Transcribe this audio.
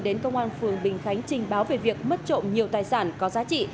đến công an phường bình khánh trình báo về việc mất trộm nhiều tài sản có giá trị